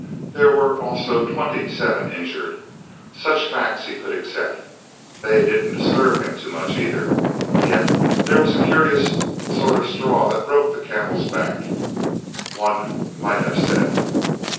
There were also twenty seven injured. Such facts he could accept they didn't disturb him too much, either. Yet there was a curious sort of straw that broke the camel's back, one might have said.